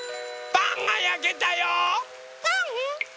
・パンがやけたよ！